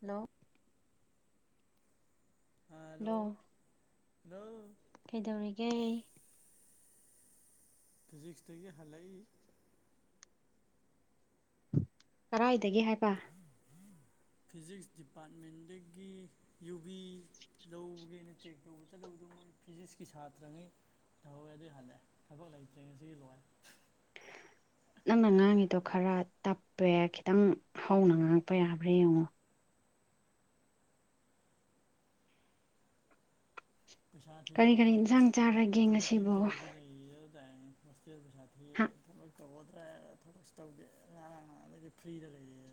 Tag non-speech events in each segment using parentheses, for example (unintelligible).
Hello hello hello ꯀꯩꯗꯧꯔꯤꯒꯦ ꯐꯤꯖꯤꯛꯁꯇꯒꯤ ꯍꯜꯂꯛꯏ ꯀꯔꯥꯏꯗꯒꯤ ꯍꯥꯏꯕ ꯐꯤꯖꯤꯛꯁ ꯗꯤꯄꯥꯔꯠꯃꯦꯟꯗꯒꯤ ꯌꯨꯕꯤ ꯂꯧꯒꯦꯅ ꯆꯦꯛ ꯇꯩꯕ ꯆꯠꯂꯨꯕꯗꯣ ꯃꯣꯏ ꯐꯤꯖꯤꯛꯁꯀꯤ ꯁꯥꯇ꯭ꯔꯉꯩ ꯊꯧꯋꯦ ꯑꯗꯨ ꯍꯜꯂꯛꯌꯦ ꯊꯕꯛ ꯂꯩꯇ꯭ꯔꯤꯉꯁꯤꯒꯤ ꯂꯣꯢꯔꯦ ꯅꯪꯅ ꯉꯥꯡꯉꯤꯗꯣ ꯈꯔ ꯇꯞꯄꯦ ꯈꯤꯇꯪ ꯍꯧꯅ ꯉꯥꯡꯉꯛꯄ ꯌꯥꯕ꯭ꯔꯥ ꯌꯦꯡꯉꯣ ꯄꯩꯁꯥ ꯀꯔꯤ ꯀꯔꯤ ꯊꯤꯗꯣꯛꯑꯒ ꯏꯟꯁꯥꯡ ꯆꯥꯔꯒꯦ ꯊꯕꯛ ꯀꯤꯝ ꯉꯁꯤꯕꯨ ꯇꯧꯗꯕꯤ ꯂꯩ ꯇꯥꯢꯌꯦ ꯍꯣꯢꯇꯦꯜ ꯄꯩꯁꯥ ꯊꯤꯔꯒ ꯊꯕꯛ ꯇꯧꯒꯗ꯭ꯔꯥ ꯊꯕꯛꯁꯨ ꯇꯧꯗꯦ ꯉꯥꯔꯥꯡ ꯅꯍꯥꯜꯗꯒꯤꯗꯤ ꯐ꯭ꯔꯤꯗ ꯂꯩꯔꯦ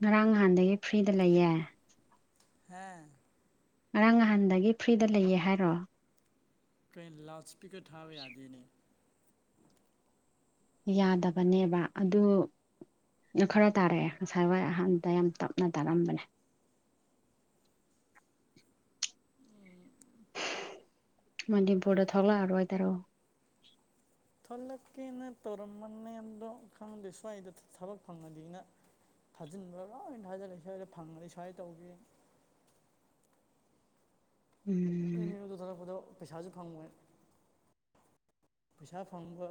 ꯉꯔꯥꯡ ꯅꯍꯥꯟꯗꯒꯤ ꯐ꯭ꯔꯤꯗ ꯂꯩꯌꯦ ꯍꯥ ꯉꯔꯥꯡ ꯅꯍꯥꯟꯗꯒꯤ ꯐ꯭ꯔꯤꯗ ꯂꯩꯌꯦ ꯍꯥꯏꯔꯣ ꯀꯩꯏꯣ ꯂꯥꯎꯠ ꯁ꯭ꯄꯤꯀꯔ ꯊꯥꯕ ꯌꯥꯗꯦꯅꯦ ꯌꯥꯗꯕꯅꯦꯕ ꯑꯗꯨ ꯈꯔ ꯇꯥꯔꯛꯑꯦ ꯉꯁꯥꯏ ꯋꯥꯏ ꯑꯍꯥꯟꯕꯗ ꯌꯥꯝ ꯇꯞꯅ ꯇꯥꯔꯝꯕꯅꯦ꯫ ꯃꯅꯤꯄꯨꯔꯗ ꯊꯣꯛꯂꯛ ꯑꯔꯣꯏꯗ꯭ꯔꯣ꯫ ꯊꯣꯛꯂꯛꯀꯦꯅ ꯇꯧꯔꯝꯕꯅꯦꯗꯣ ꯈꯪꯗꯦ ꯁ꯭ꯋꯥꯏꯗ ꯊꯕꯛ ꯐꯪꯉꯗꯤꯅ꯫ ꯊꯥꯖꯤꯟꯕ ꯂꯣꯏꯅ ꯊꯥꯖꯜꯂꯦ ꯁ꯭ꯋꯥꯏꯗ ꯐꯪꯉꯗꯤ ꯁ꯭ꯋꯥꯏꯗ ꯇꯧꯒꯦꯅ꯫ ꯎꯝ ꯑꯩ ꯌꯨꯗ ꯊꯣꯂꯛꯄꯗꯣ ꯄꯩꯁꯥꯁꯨ ꯐꯪꯉꯣꯏ꯫ ꯄꯩꯁꯥ ꯐꯪꯕ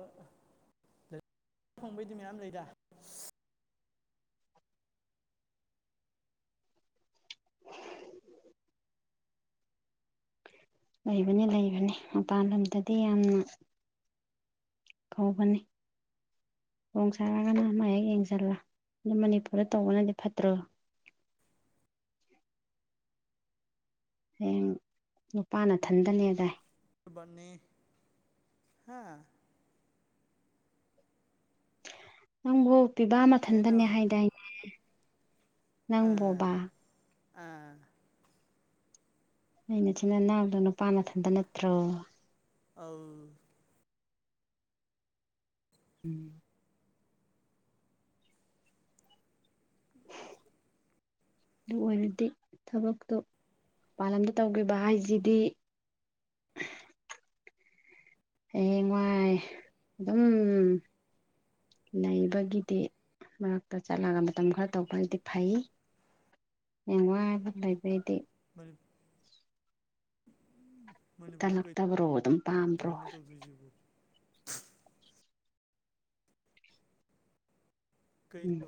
(unintelligible) ꯐꯪꯕꯩꯗꯤ ꯃꯌꯥꯝ ꯂꯩꯗ꯫ ꯂꯩꯕꯅꯤ ꯂꯩꯕꯅꯤ ꯃꯄꯥꯟ ꯂꯝꯗꯗꯤ ꯌꯥꯝꯅ꯫ ꯀꯧꯕꯅꯤ꯫ ꯈꯨꯗꯣꯡ ꯆꯥꯔꯒꯅ ꯑꯃ ꯍꯦꯛ ꯌꯦꯡꯁꯤꯜꯂꯣ ꯑꯗꯨ ꯃꯅꯤꯄꯨꯔꯗ ꯇꯧꯕꯅꯗꯤ ꯐꯠꯇ꯭ꯔꯣ꯫ ꯍꯌꯦꯡ ꯅꯨꯄꯥ ꯅꯊꯟꯗꯅꯦ ꯗꯥꯏ꯫ ꯕꯥꯅꯤ ꯍꯥ꯫ ꯅꯪꯕꯨ ꯄꯤꯕꯥ ꯀꯩ ꯍꯥꯏꯅꯣ ꯃꯊꯟꯇꯅꯦ ꯍꯥꯏꯗꯥꯏꯅꯦ꯫ ꯑꯥ ꯅꯪꯕꯣꯕꯥ ꯑꯥ ꯅꯣꯏ ꯅꯆꯤꯟ ꯅꯅꯥꯎꯗ ꯅꯨꯄꯥ ꯅꯊꯟꯇ ꯅꯠꯇ꯭ꯔꯣ꯫ ꯑꯧ꯫ ꯎꯝ꯫ ꯑꯗꯨ ꯑꯣꯏꯔꯗꯤ ꯊꯕꯛꯇꯣ ꯃꯄꯥꯟ ꯂꯝꯗ ꯇꯧꯈꯤꯕ ꯍꯥꯏꯁꯤꯗꯤ ꯍꯌꯦꯡꯋꯥꯏ ꯑꯗꯨꯝ ꯅꯩꯕꯒꯤꯗꯤ ꯃꯔꯛꯇ ꯆꯠꯂꯒ ꯃꯇꯝ ꯈꯔ ꯇꯧꯕꯒꯤꯗꯤ ꯐꯩ꯫ ꯍꯌꯦꯡꯋꯥꯏ ꯂꯩꯕꯩꯗꯤ꯫ ꯃꯅꯤ ꯃꯅꯤꯄꯨꯔꯗ ꯀꯩ ꯇꯜꯂꯛꯇꯕ꯭ꯔꯣ ꯑꯗꯨꯝ ꯄꯥꯝꯕ꯭ꯔꯣ꯫ (unintelligible) ꯀꯩ ꯎꯝ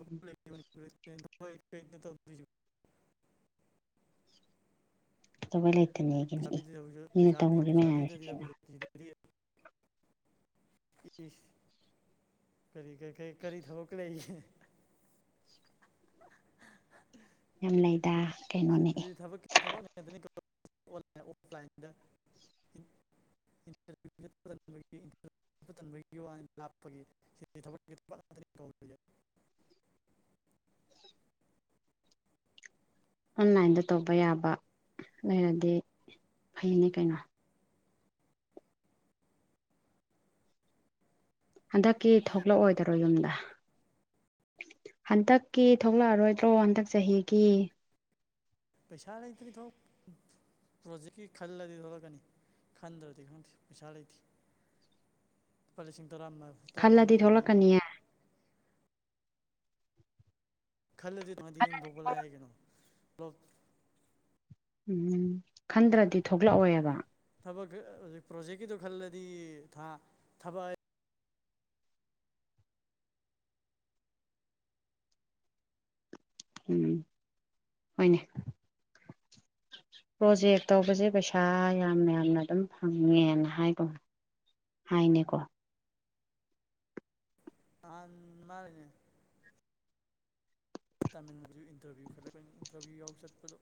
(unintelligible) ꯀꯩꯗꯧꯕꯩ ꯂꯩꯇꯅꯤ꯫ ꯄꯩꯁꯥꯄꯤꯗꯨ ꯊꯕꯛꯁꯨ ꯄꯩꯁꯥ ꯄꯩꯁꯥꯄꯤꯗꯗꯤ ꯀꯩꯅꯣ (unintelligible) ꯏꯁ ꯀꯔꯤ ꯀꯔꯤ ꯊꯕꯛ ꯂꯩꯒꯦ꯫ ꯌꯥꯝ ꯂꯩꯗ꯫ ꯀꯩꯅꯣꯅꯦ ꯑꯦ ꯁꯤꯗꯗꯤ ꯊꯕꯛꯀꯤ ꯊꯕꯛ ꯉꯥꯛꯇꯅꯤ (unintelligible) ꯑꯣꯟꯂꯥꯏꯟ ꯑꯣꯐꯂꯥꯏꯟꯗ (unintelligible) ꯆꯠꯄ ꯇꯟꯕꯒꯤ ꯋꯥꯅꯤ ꯂꯥꯞꯄꯒꯤ ꯁꯤꯗꯗꯤ ꯊꯕꯛꯀꯤ ꯊꯕꯛ ꯉꯥꯛꯇꯅꯤ ꯀꯧꯔꯤꯁꯦ꯫ ꯑꯣꯟꯂꯥꯏꯟꯗ ꯇꯧꯕ ꯌꯥꯕ ꯂꯩꯔꯗꯤ ꯐꯩꯅꯦ ꯀꯩꯅꯣ꯫ ꯍꯟꯗꯛꯀꯤ ꯍꯥ ꯊꯣꯛꯂꯛ ꯑꯣꯏꯗ꯭ꯔꯣ ꯌꯨꯝꯗ꯫ ꯍꯟꯗꯛꯀꯤ ꯊꯣꯛꯂꯛ ꯑꯔꯣꯏꯗ꯭ꯔꯣ ꯍꯟꯗꯛ ꯆꯍꯤꯒꯤ꯫ ꯄꯩꯁꯥ ꯂꯩꯇ꯭ꯔꯤ ꯊꯣꯛ ꯄ꯭ꯔꯣꯖꯦꯛꯀꯤ ꯈꯜꯂꯗꯤ ꯊꯣꯛꯂꯛꯀꯅꯤ ꯈꯟꯗ꯭ꯔꯗꯤ ꯈꯪꯗꯦ ꯄꯩꯁꯥ ꯂꯩꯇꯦ꯫ ꯂꯨꯄꯥ ꯂꯤꯁꯤꯡ ꯇꯔꯥ ꯃ ꯇꯔꯥ ꯈꯜꯂꯗꯤ ꯍꯨꯝꯗꯣꯏꯅꯤꯅꯦ꯫ ꯊꯣꯛꯂꯛꯀꯅꯤꯌꯦ ꯈꯜꯂꯗꯤ (inaudible) ꯌꯨꯝ ꯊꯣꯛꯄ ꯂꯥꯏ ꯀꯩꯅꯣ (unintelligible) ꯎꯝ ꯈꯟꯗ꯭ꯔꯗꯤ ꯊꯣꯛꯂꯛꯑꯣꯏꯕ꯫ ꯊꯕꯛ ꯍꯧꯖꯤꯛ ꯄ꯭ꯔꯣꯖꯦꯛꯀꯤꯗꯣ ꯈꯜꯂꯗꯤ ꯊꯥ ꯊꯕꯛ ꯎꯝ ꯍꯣꯏꯅꯦ꯫ ꯄ꯭ꯔꯣꯖꯦꯛ ꯇꯧꯕꯁꯦ ꯄꯩꯁꯥ ꯌꯥꯝꯅ ꯌꯥꯝꯅ ꯑꯗꯨꯝ ꯐꯪꯉꯦꯅ ꯍꯥꯏꯒꯨꯝ ꯍꯥꯏꯅꯦꯀꯣ꯫ ꯅꯥꯍꯥꯟ ꯃꯥꯂꯤꯅꯦ ꯇꯥꯃꯤꯜꯁꯨ ꯏꯟꯇꯔꯚ꯭ꯌꯨ ꯈꯜꯂꯛꯄꯅꯤ ꯏꯟꯇꯔꯚ꯭ꯌꯨ ꯌꯥꯎ ꯆꯠꯄꯗꯣ꯫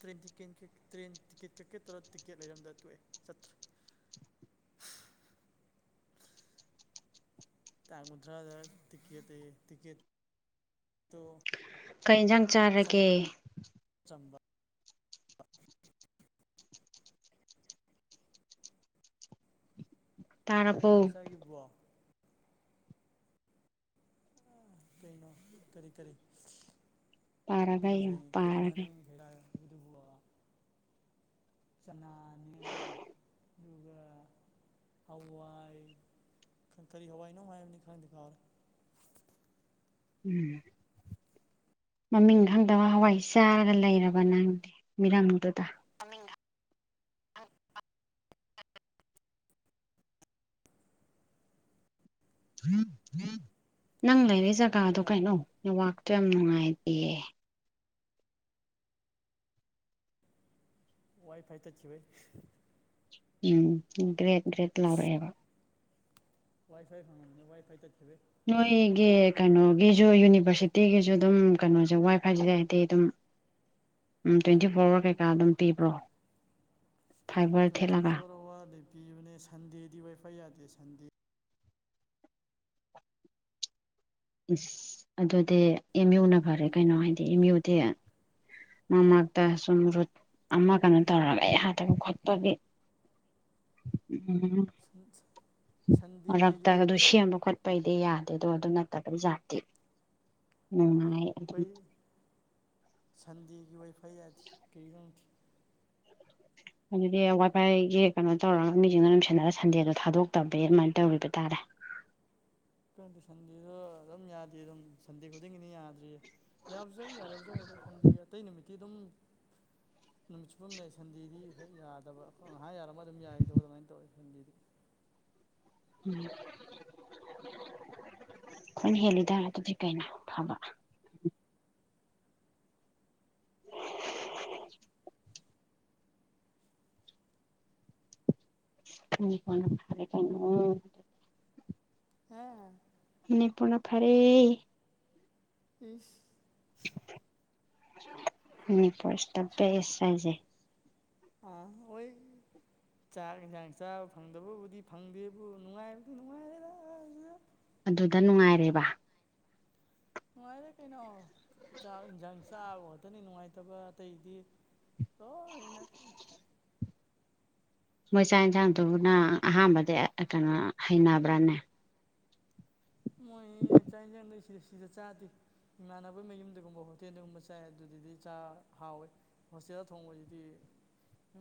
ꯇ꯭ꯔꯦꯟ ꯇꯤꯀꯦꯟ ꯀꯛ ꯇ꯭ꯔꯦꯟ ꯇꯤꯀꯦꯠ ꯀꯛꯀꯦ ꯇꯧꯔ ꯇꯤꯛꯀꯦꯠ ꯂꯩꯔꯝꯗ ꯇꯣꯛꯑꯦ ꯆꯠꯇ꯭ꯔꯦ꯫ ꯇꯥꯡ ꯀꯨꯊ꯭ꯔꯥꯗ ꯇꯤꯀꯦꯠ ꯑ ꯌꯦ ꯇꯤꯀꯦꯠꯇꯣ ꯀꯩ ꯌꯦꯟꯖꯥꯡ ꯆꯥꯔꯒꯦ꯫ ꯑꯆꯥꯝꯕ꯫ ꯀꯩꯅꯣ ꯇꯥꯔꯕꯣ ꯑꯩꯅ ꯉꯁꯥꯢ ꯆꯥꯈꯤꯕꯗꯨꯕꯣ ꯀꯔꯤꯅꯣ ꯀꯔꯤ ꯀꯔꯤ ꯄꯥꯔꯒ ꯌꯦꯡꯉꯨ (unintelligible) ꯀꯔꯤꯅꯣ ꯄꯥꯔꯒ ꯈꯦꯥ (unintelligible) ꯑꯣꯏꯗꯨꯕ ꯆꯅꯥꯅꯦ ꯑꯗꯨꯒ ꯍꯋꯥꯏ ꯈꯪ ꯀꯔꯤ ꯍꯋꯥꯏ ꯅꯣ ꯃꯥ ꯍꯥꯏꯕꯅꯤ ꯈꯪꯗꯦ ꯈꯥꯎꯔꯦ ꯎꯝ ꯃꯃꯤꯡ ꯈꯪꯗꯕ ꯍꯋꯥꯏ ꯆꯥꯔꯒ ꯂꯩꯔꯕ ꯅꯪꯗꯤ ꯃꯤꯔꯝꯗꯨꯗ ꯃꯃꯤꯡ ꯅꯪ ꯂꯩꯔꯤ ꯖꯒꯥꯗꯣ ꯀꯩꯅꯣ ꯅꯦꯠꯋꯥꯛꯇꯨ ꯌꯥꯝ ꯅꯨꯡꯉꯥꯏꯇꯦꯌꯦ ꯋꯥꯏ ꯐꯥꯏ ꯇꯠꯈꯤꯕꯩ ꯎꯝ ꯒ꯭ꯔꯦꯠ ꯒ꯭ꯔꯦꯠ ꯂꯥꯎꯔꯛꯑꯦꯕ ꯋꯥꯏ ꯐꯥꯏ ꯐꯪꯉꯕꯗꯩ ꯋꯥꯏ ꯐꯥꯏ ꯇꯠꯈꯤꯕꯩ ꯅꯣꯏꯒꯤ ꯀꯩꯅꯣꯒꯤꯁꯨ ꯌꯨꯅꯤꯚꯔꯁꯤꯇꯤꯒꯤꯁꯨ ꯑꯗꯨꯝ ꯀꯩꯅꯣꯁꯦ ꯋꯥꯏ ꯐꯥꯏꯁꯤꯗ ꯍꯥꯏꯗꯤ ꯑꯗꯨꯝ ꯎꯝ ꯇ꯭ꯋꯦꯟꯇꯤ ꯐꯣꯔ ꯑꯋꯥꯔ ꯀꯩꯀꯥ ꯑꯗꯨꯝ ꯄꯤꯕ꯭ꯔꯣ ꯐꯥꯏꯕꯔ ꯇ꯭ꯋꯦꯟꯇꯤ ꯊꯦꯠꯂꯒ ꯐꯣꯔ ꯑꯋꯥꯔꯗ ꯄꯤꯕꯅꯦ ꯁꯟꯗꯦꯗꯤ ꯋꯥꯏꯐꯥꯏ ꯌꯥꯗꯦ ꯁꯟꯗꯦ ꯏꯁꯁ ꯑꯗꯨꯗꯤ ꯑꯦꯝ ꯌꯨꯅ ꯐꯔꯦ ꯀꯩꯅꯣ ꯍꯥꯏꯗꯤ ꯑꯦꯝ ꯌꯨꯗꯤ ꯃꯔꯛ ꯃꯔꯛꯇ ꯁꯨꯝ ꯔꯨꯠ ꯑꯃ ꯀꯩꯅꯣ ꯇꯧꯔꯒ ꯑꯩ ꯌꯥꯗꯕ ꯈꯣꯠꯄꯒꯤ ꯎꯝ ꯁꯟꯗꯦꯗꯤ ꯃꯔꯛꯇ ꯑꯗꯨ ꯑꯩꯈꯣꯏ ꯁꯦꯝꯕ ꯈꯣꯠꯄꯒꯤ ꯄꯩꯗꯤ ꯌꯥꯗꯦꯗꯣ ꯑꯗꯨ ꯅꯠꯇꯕꯩ ꯖꯥꯇꯤ ꯅꯨꯡꯉꯥꯏ ꯑꯗꯨꯝ ꯑꯩꯈꯣꯏ ꯁꯟꯗꯦꯒꯤ ꯋꯥꯏꯐ ꯌꯥꯗꯦ ꯀꯔꯤꯒꯤꯅꯣ ꯈꯪꯗꯦ ꯑꯗꯨꯗꯤ ꯋꯥꯏꯐꯥꯏꯒꯤ ꯀꯩꯅꯣ ꯇꯧꯔꯒ ꯃꯤꯁꯤꯡꯅ ꯅꯨꯡꯁꯤꯅꯔꯒ ꯁꯟꯗꯦꯗꯣ ꯊꯥꯗꯣꯛꯇꯕꯒꯤ ꯑꯗꯨꯃꯥꯏꯅ ꯇꯧꯔꯤꯕ ꯇꯥꯔꯦ ꯈꯪꯗꯦ ꯁꯟꯗꯦꯗꯣ ꯑꯗꯨꯝ ꯌꯥꯗꯦ ꯑꯗꯨꯝ ꯁꯟꯗꯦ ꯈꯨꯗꯤꯡꯒꯤꯅꯤ ꯌꯥꯗ꯭ꯔꯤꯁꯦ ꯌꯥꯕꯁꯨ ꯌꯥꯎꯋꯤ ꯌꯥꯗꯕꯁꯨ ꯌꯥꯎꯋꯤ ꯑꯗ ꯁꯥꯟꯗꯦ ꯑꯇꯩ ꯅꯨꯃꯤꯠꯇꯤ ꯑꯗꯨꯝ ꯅꯨꯃꯤꯠ ꯆꯨꯞꯄ ꯑꯃ ꯁꯟꯗꯦꯗꯤ ꯍꯣꯏ ꯌꯥꯗꯕ ꯉꯥꯛ ꯌꯥꯔꯝꯃꯒ ꯑꯗꯨꯝ ꯌꯥꯈꯤꯗꯕ ꯑꯗꯨꯃꯥꯏꯅ ꯇꯧꯋꯦ ꯁꯟꯗꯦꯗꯤ ꯎꯝ ꯑꯩꯈꯣꯏꯅ ꯍꯦꯜꯂꯤꯗ ꯑꯗꯨꯗꯤ ꯀꯩꯅꯣ ꯐꯕ ꯎ (unintelligible) ꯍ ꯐꯔꯦ ꯀꯩꯅꯣ ꯍꯥꯥ ꯃꯅꯤꯄꯨꯔꯅ ꯐꯔꯦ ꯢꯁ ꯃꯅꯤꯄꯨꯔ ꯇꯥꯞꯄꯦꯁ ꯍꯥꯢꯁꯦ ꯑꯥ ꯍꯣꯢ ꯆꯥꯛ ꯌꯦꯟꯁꯥꯡ ꯆꯥꯕ ꯐꯪꯗꯕꯕꯨꯗꯤ ꯐꯪꯗꯦꯕꯨ ꯅꯨꯡꯉꯥꯏꯕꯗꯤ ꯅꯨꯡꯉꯥꯏꯔꯦꯗ ꯑꯗꯨꯗ ꯅꯨꯡꯉꯥꯏꯔꯦꯕ ꯅꯨꯡꯉꯥꯏꯔꯦ ꯀꯩꯅꯣ ꯆꯥꯛ ꯏꯟꯁꯥꯡ ꯆꯥꯕ ꯈꯛꯇꯅꯤ ꯅꯨꯡꯉꯥꯏꯇꯕ ꯑꯇꯩꯗꯤ ꯇꯣꯢꯅ ꯃꯣꯏ ꯆꯥꯛ ꯏꯟꯁꯥꯡꯗꯨꯅ ꯑꯍꯥꯟꯕꯗꯤ ꯀꯩꯅꯣ ꯍꯩꯅꯕ꯭ꯔꯥꯅꯦ ꯃꯣꯏ ꯆꯥꯛ ꯌꯦꯟꯁꯥꯡꯗꯣ ꯁꯤꯗ ꯁꯤꯗ ꯆꯥꯗꯦ ꯏꯃꯥꯟꯅꯕ ꯃꯌꯨꯝꯗꯒꯨꯝꯕ ꯍꯣꯇꯦꯜꯗꯒꯨꯝꯕ ꯆꯥꯏ ꯑꯗꯨꯗꯗꯤ ꯆꯥꯛ ꯍꯥꯎꯋꯦ ꯍꯣꯁꯇꯦꯜ ꯊꯣꯡꯕꯁꯤꯗꯤ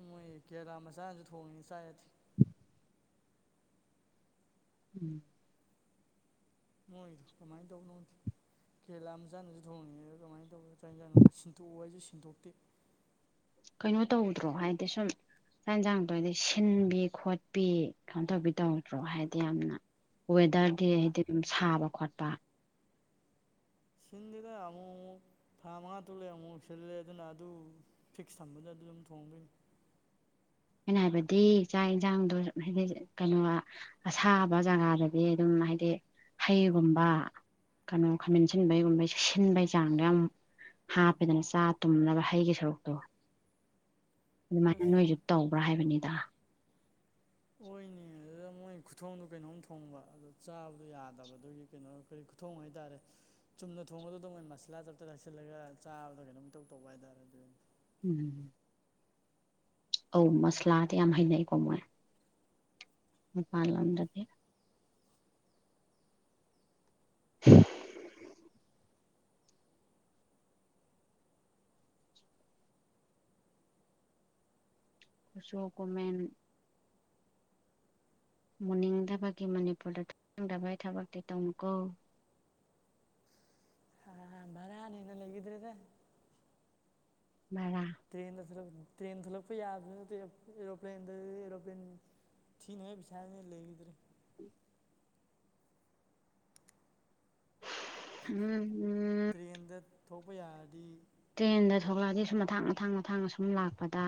ꯃꯣꯏ ꯀꯦꯔꯥ ꯃꯆꯥꯅꯁꯨ ꯊꯣꯡꯉꯤ ꯆꯥ ꯌꯥꯗꯦ ꯎꯝ ꯃꯣꯏꯗꯨ ꯀꯃꯥꯏꯅ ꯇꯧꯕꯅꯣ ꯈꯪꯗꯦ ꯀꯦꯔꯦꯂꯥ ꯃꯆꯥꯅꯁꯨ ꯊꯣꯡꯉꯤꯅꯦ ꯑꯦ ꯗꯨ ꯀꯃꯥꯏꯅ ꯇꯧꯕ ꯆꯛ ꯑꯟꯖꯡꯅꯣ ꯁꯤꯟꯇꯣꯛꯑꯣ ꯍꯥꯏꯁꯨ ꯁꯤꯟꯗꯣꯛꯇꯦ ꯀꯩꯅꯣ ꯇꯧꯗ꯭ꯔꯣ ꯍꯥꯏꯗꯤ ꯁꯨꯝ ꯆꯥꯛ ꯌꯦꯟꯁꯥꯡꯗꯣꯏꯗꯤ ꯁꯤꯟꯕꯤ ꯈꯣꯠꯄꯤ ꯀꯩꯅꯣ ꯇꯧꯕꯤ ꯇꯧꯗ꯭ꯔꯣ ꯍꯥꯏꯗꯤ ꯌꯥꯝꯅ ꯋꯦꯗꯔꯗꯤ ꯍꯥꯏꯗꯤ ꯗꯨꯝ ꯁꯥꯕ ꯈꯣꯠꯄ ꯁꯤꯟꯗꯦꯗꯥ ꯑꯃꯨꯛ ꯃꯨꯛ ꯊꯥ ꯃꯉꯥ ꯇꯨꯔꯨꯛ ꯂꯩꯔ ꯑꯃꯨ ꯃꯨꯛ ꯁꯤꯜꯂꯦ ꯑꯗꯨꯅ ꯑꯗꯨ ꯐꯤꯛꯁ ꯊꯝꯕꯗ ꯑꯗꯨ ꯗꯨꯝ ꯊꯣꯡꯗꯣꯏꯅꯤ ꯑꯩꯅ ꯍꯥꯏꯕꯗꯤ ꯆꯥꯛ ꯌꯦꯟꯁꯥꯡꯗꯣ ꯍꯥꯏꯗꯤ (unintelligible) ꯀꯩꯅꯣꯋꯥ ꯑꯁꯥꯕ ꯖꯒꯥꯗꯗꯤ ꯑꯗꯨꯝ ꯍꯥꯏꯗꯤ ꯍꯩꯒꯨꯝꯕ ꯀꯩꯅꯣ ꯈꯥꯃꯦꯟꯁꯤꯟꯕꯩꯒꯨꯝꯕꯩ ꯁꯤꯟꯕꯩ ꯆꯥꯡꯗ ꯌꯥꯝ ꯍꯥꯞꯄꯦꯗꯅ ꯆꯥ ꯇꯨꯝꯅꯕ ꯍꯩꯒꯤ ꯁꯔꯨꯛꯇꯣ ꯑꯗꯨꯃꯥꯏꯅ ꯑꯁ ꯅꯣꯏꯁꯨ ꯇꯧꯕ꯭ꯔꯥ ꯍꯥꯏꯕꯅꯦꯗ ꯍꯣꯏꯅꯦ ꯑꯗꯨꯗ ꯃꯣꯏ ꯈꯨꯊꯣꯡꯗꯣ ꯀꯩꯅꯣꯝ ꯊꯣꯡꯕ ꯑꯗꯨ ꯆꯥꯕꯗꯣ ꯌꯥꯗꯕ ꯑꯗꯨꯒꯤ ꯀꯩꯅꯣ ꯀꯔꯤ ꯈꯨ ꯊꯣꯡ ꯍꯣꯏꯇꯥꯔꯦ ꯆꯨꯝꯅ ꯊꯣꯡꯕꯗꯣ ꯗꯨꯝꯑꯣꯏ ꯃꯁꯂꯥ ꯇꯞꯇ ꯇꯛꯁꯤꯜꯂꯒ ꯆꯥꯕꯗ ꯀꯩꯅꯣꯝ ꯏꯇꯧ ꯇꯧꯕ ꯍꯥꯏꯇꯥꯔꯦ ꯑꯗꯨ ꯎꯝ ꯑꯧ ꯃꯁꯂꯥꯗꯤ ꯌꯥꯝ ꯍꯩꯅꯩꯀꯣ ꯃꯣꯏ ꯃꯄꯥꯟ ꯂꯝꯗꯗꯤ (unintelligible) ꯈꯨꯨꯆꯨ ꯀꯨꯃꯦꯟ ꯃꯨꯅꯤꯡꯗꯕꯒꯤ ꯃꯅꯤꯄꯨꯔꯗ ꯊꯣꯛꯅꯤꯡꯗꯕꯩ ꯊꯕꯛꯇꯤ ꯇꯧꯅꯨꯀꯣ (unintelligible) ꯕꯔꯅꯤ (unintelligible) ꯪꯂꯩꯒꯤꯗ꯭ꯔꯦꯗ ꯕꯥꯔꯥ ꯇ꯭ꯔꯦꯟꯗ ꯊꯣꯂꯛ ꯇ꯭ꯔꯦꯟ ꯊꯣꯛꯂꯛꯄ ꯌꯥꯕꯁꯨ ꯅꯠꯇꯦ (unintelligible) ꯑꯦꯔꯣꯄ꯭ꯂꯦꯟꯗ ꯑꯦꯔꯣꯄ꯭ꯂꯦꯟ ꯊꯤꯅꯤꯉꯥꯏ ꯄꯩꯁꯥꯁꯤꯅ ꯂꯩꯈꯤꯗ꯭ꯔꯦ ꯎꯝ ꯎꯝ ꯇ꯭ꯔꯦꯟꯗ ꯊꯣꯛꯄ ꯌꯥꯔꯗꯤ ꯇ꯭ꯔꯦꯟꯗ ꯊꯣꯛꯂꯛꯑꯗꯤ ꯁꯨꯝ ꯃꯊꯥꯡ ꯃꯊꯥꯡ ꯃꯊꯥꯡ ꯁꯨꯝ ꯂꯥꯛꯄꯗ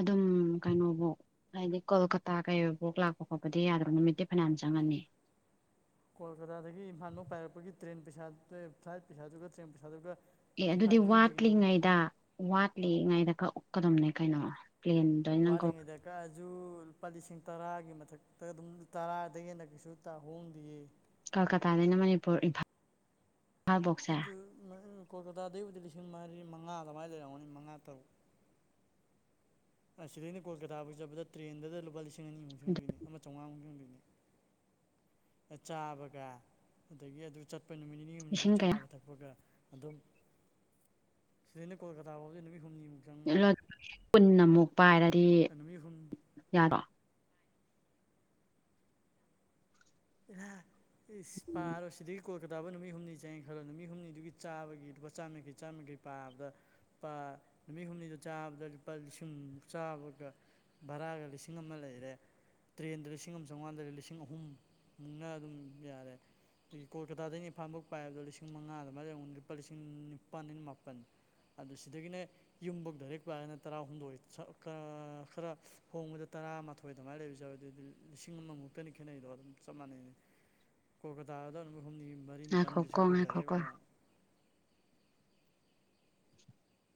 ꯑꯗꯨꯝ ꯀꯩꯅꯣꯕꯧ ꯍꯥꯏꯗꯤ ꯀꯣꯜꯀꯇꯥ ꯀꯩ (unintelligible) ꯂꯥꯛꯄ ꯈꯣꯠꯄꯗꯤ ꯌꯥꯗꯕ ꯅꯨꯃꯤꯠꯇꯤ ꯐꯅꯥꯟ ꯆꯪꯉꯅꯤ ꯀꯣꯜꯀꯇꯥꯗꯒꯤ ꯏꯝꯐꯥꯜꯂꯣꯝ ꯄꯥꯏꯔꯛꯄꯒꯤ ꯇ꯭ꯔꯦꯟ ꯄꯩꯁꯥꯗꯩ ꯐ꯭ꯂꯥꯏꯠ ꯄꯩꯁꯥꯗꯨꯒ ꯇ꯭ꯔꯦꯟ ꯄꯩꯁꯥꯗꯨꯒ ꯑꯦ ꯑꯗꯨꯗꯤ ꯏꯝꯐꯥꯜ ꯌꯨꯝꯗꯒꯤꯅꯤ ꯋꯥꯠꯂꯤꯉꯩꯗ ꯋꯥꯠꯂꯤꯉꯩꯗ ꯀꯛ ꯎꯞꯀꯗꯝꯅꯦ ꯀꯩꯅꯣ ꯄ꯭ꯂꯦꯟ ꯋꯠꯂꯤꯉꯩꯗ ꯀꯛꯑꯥꯖꯨ ꯂꯨꯄꯥ ꯂꯤꯁꯤꯡ ꯇꯔꯥꯒꯤ ꯃꯊꯛꯇ ꯑꯗꯨꯝ ꯇꯔꯥꯗꯩ ꯍꯦꯟꯅ ꯀꯩꯁꯨ ꯇꯥ ꯍꯣꯡꯗꯦꯌꯦ ꯀꯜꯀꯇꯥꯗꯩꯅ ꯃꯅꯤꯄꯨꯔ ꯏꯟꯐꯜ ꯑꯗꯨ (unintelligible) ꯀꯣꯜꯀꯇꯥꯗꯩꯕꯨꯗꯤ ꯂꯤꯁꯤꯡ ꯃꯔꯤ ꯃꯉꯥ ꯑꯗꯨꯃꯥꯏꯅ ꯂꯩꯔꯝꯃꯅꯤ ꯃꯉꯥ ꯇꯔꯨꯛ ꯑꯁꯤꯗꯩꯅ ꯀꯣꯜꯀꯇꯥꯐꯥꯎ ꯆꯠꯕꯗ ꯇ꯭ꯔꯦꯟꯗꯨꯗ ꯂꯨꯄꯥ ꯂꯤꯁꯤꯡ ꯑꯅꯤꯃꯨꯛ ꯑꯗꯨ ꯆꯪꯗꯣꯏꯅꯦ ꯑꯃ ꯆꯥꯝꯉꯥꯃꯨꯛ ꯆꯪꯗꯣꯏꯅꯦ ꯑꯥ ꯆꯥꯕꯒ ꯑꯗꯩꯒꯤ ꯑꯗꯨ ꯆꯠꯄ ꯅꯨꯃꯤꯠ ꯅꯤꯅꯤ ꯃꯤ ꯍꯨꯝꯅꯤꯗꯨ ꯂꯤꯁꯤꯡ ꯀꯌꯥ ꯆꯥꯕ ꯊꯛꯄꯒ ꯑꯗꯨꯝ ꯁꯤꯗꯩꯅ ꯀꯣꯜꯀꯇꯥꯐꯥꯎꯁꯦ ꯅꯨꯃꯤꯠ ꯍꯨꯝꯅꯤꯃꯨꯛ ꯆꯪ ꯃꯥꯜꯂꯦ (unintelligible) ꯄꯨꯟꯅꯃꯨꯛ ꯄꯥꯏꯔꯗꯤ ꯅꯨꯃꯤꯠ ꯍꯨꯝꯅꯤ ꯌꯥꯔꯣ (unintelligible) ꯏꯁ ꯄꯥꯔꯣ ꯁꯤꯗꯤꯛ ꯀꯣꯜꯀꯇꯥꯕꯧ ꯅꯨꯃꯤꯠ ꯍꯨꯝꯅꯤ ꯆꯪꯉꯦ ꯈꯟꯂꯣꯅꯦ ꯅꯨꯃꯤꯠ ꯍꯨꯝꯅꯤꯗꯨꯒꯤ ꯆꯥꯕꯒꯤ ꯂꯨꯄꯥ ꯆꯥꯝꯃ ꯌꯦꯡꯈꯩ ꯆꯥꯝꯃ ꯌꯦꯡꯈꯩ ꯄꯥꯕꯗ ꯄꯥ ꯅꯨꯃꯤꯠ ꯍꯨꯝꯅꯤꯗꯨ ꯆꯥꯕꯗ ꯂꯨꯄꯥ ꯂꯤꯁꯤꯡꯃꯨꯛ ꯆꯥꯕꯒ ꯕꯥꯔꯥꯒ ꯂꯤꯁꯤꯡ ꯑꯃ ꯂꯩꯔꯦ ꯇ꯭ꯔꯦꯟꯗ ꯂꯤꯁꯤꯡ ꯑꯝ ꯆꯥꯝꯉꯥ ꯂꯩꯔꯦ ꯂꯤꯁꯤꯡ ꯑꯍꯨꯝ ꯃꯨꯛꯅ ꯑꯗꯨꯝ ꯌꯥꯔꯦ ꯑꯗꯒꯤ ꯀꯣꯜꯀꯇꯥꯗꯩꯅ ꯏꯝꯐꯥꯜꯐꯣꯛ ꯄꯥꯏꯕꯗ ꯂꯤꯁꯤꯡ ꯃꯉꯥ ꯑꯗꯨꯃꯥꯏ ꯂꯩꯔꯝꯒ ꯂꯨꯄꯥ ꯂꯤꯁꯤꯡ ꯅꯤꯄꯥꯥꯟꯗꯩꯅ ꯃꯥꯄꯟ ꯑꯗꯨ ꯁꯤꯗꯒꯤꯅꯦ ꯌꯨꯝꯐꯧ ꯗꯥꯏꯔꯦꯛ ꯄꯥꯏꯔꯅ ꯇꯔꯥ ꯍꯨꯝꯗꯣꯏ (unintelligible) ꯈꯥꯔꯥ ꯈꯔ ꯍꯣꯡꯕꯗ ꯇꯔꯥꯃꯊꯣꯏ ꯈꯣꯏ ꯑꯗꯨꯃꯥꯏꯅ ꯂꯩꯕꯁꯨ ꯌꯥꯎꯏ ꯑꯗꯨꯗꯤ ꯂꯤꯁꯤꯡ ꯑꯃꯃꯨꯛꯇꯅꯤ ꯈꯦꯠꯅꯩꯗꯣ ꯑꯗꯨꯝ ꯆꯞ ꯃꯥꯟꯅꯩꯌꯦ ꯀꯣꯜꯀꯇꯥꯗ ꯅꯨꯃꯤꯠ ꯍꯨꯝꯅꯤ ꯃꯔꯤꯅꯤ ꯄꯥꯟꯗꯣꯏ ꯉꯥꯏꯈꯣꯀꯣ ꯁꯔꯨꯛꯄꯨ ꯗꯥꯏꯔꯦꯛ ꯉꯥꯏꯈꯣꯀꯣ ꯑꯣꯏꯅ (inaudible)